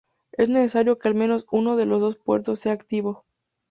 Es necesario que al menos uno de los dos puertos sea activos.